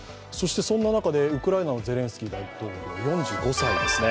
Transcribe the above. そんな中でウクライナのゼレンスキー大統領、４５歳ですね。